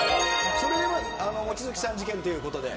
それでモチヅキさん事件ということで。